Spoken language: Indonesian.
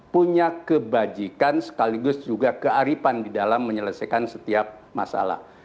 punya kebajikan sekaligus juga kearifan di dalam menyelesaikan setiap masalah